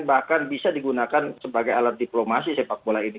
bahkan bisa digunakan sebagai alat diplomasi sepak bola ini